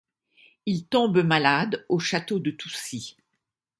Il tombe malade au château de Toucy.